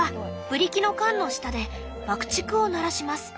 ブリキの缶の下で爆竹を鳴らします。